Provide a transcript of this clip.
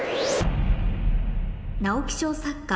直木賞作家